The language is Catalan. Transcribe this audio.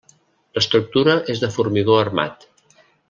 L'estructura és de formigó armat.